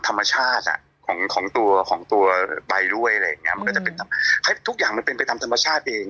ธรรมชาติของตัวใบด้วยอะไรแบบนี้ให้ทุกอย่างเป็นไปตามธรรมชาติเอง